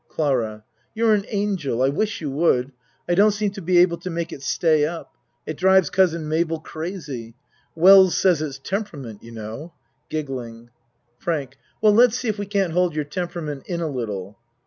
CLARA You're an angel. I wish you would. I don't seem to be able to make it stay up. It drives Cousin Mabel crazy. Wells says it's temperament, you know. FRANK Well, lets see if we can't hold your tem perament in a little.